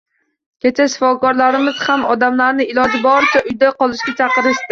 Kecha shifokorlarimiz ham odamlarni iloji boricha uyda qolishga chaqirishdi